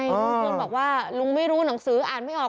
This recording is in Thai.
ลุงพลบอกว่าลุงไม่รู้หนังสืออ่านไม่ออก